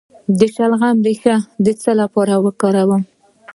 د شلغم ریښه د څه لپاره وکاروم؟